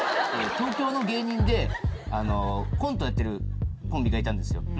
東京の芸人でコントやってるコンビがいたんですよ。